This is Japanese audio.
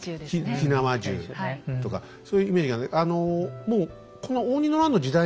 火縄銃とかそういうイメージがね。